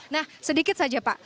nah sedikit saja pak